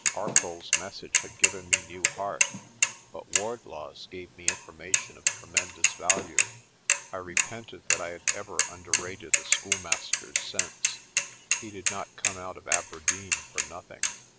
Arcoll's mesage had given me new heart, but Wardlaw's gave me information of tremendous value. I repented that I had ever underrated the school master's sense. He did not come out of Aberdeen for nothing.